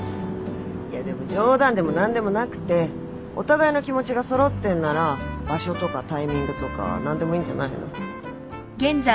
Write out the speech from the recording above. いやでも冗談でも何でもなくてお互いの気持ちが揃ってんなら場所とかタイミングとか何でもいいんじゃないの？